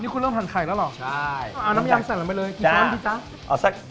นี่คุณเริ่มหั่นไข่แล้วเหรอเอาน้ำยามใส่ไหมเลยกินกันแบบนี้หรอ